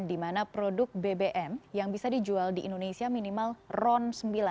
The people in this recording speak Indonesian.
di mana produk bbm yang bisa dijual di indonesia minimal ron sembilan